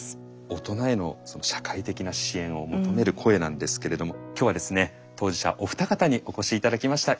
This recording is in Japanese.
大人への社会的な支援を求める声なんですけれども今日はですね当事者お二方にお越し頂きました。